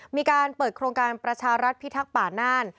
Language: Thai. มีการเปิดโครงการประชารัฐพิทักษ์ป่าน่าน